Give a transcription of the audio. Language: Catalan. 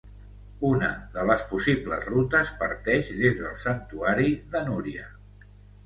Una de les possibles rutes parteix des del santuari de Núria.